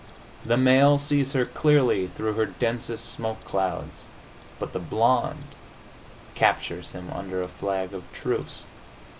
The male sees her clearly through her densest smoke clouds.... But the blonde captures him under a flag of truce.